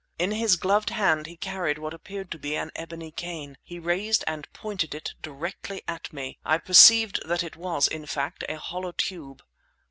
In his gloved hand he carried what appeared to be an ebony cane. He raised and pointed it directly at me. I perceived that it was, in fact, a hollow tube.